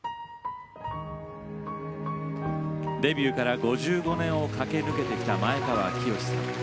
デビューから５５年を駆け抜けてきた前川清さん。